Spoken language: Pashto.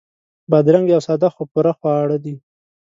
بادرنګ یو ساده خو پوره خواړه دي.